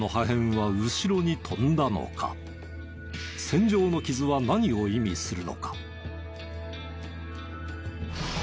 線状の傷は何を意味するのか？